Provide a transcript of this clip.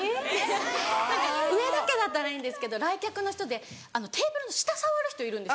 何か上だけだったらいいんですけど来客の人でテーブルの下触る人いるんですよ。